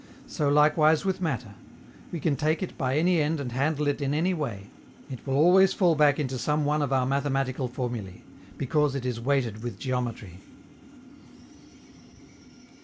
So likewise with matter: we can take it by any end and handle it in any way, it will always fall back into some one of our mathematical formulae, because it is weighted with geometry.